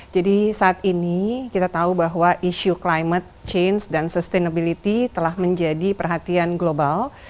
jadi saat ini kita tahu bahwa isu climate change dan sustainability telah menjadi perhatian global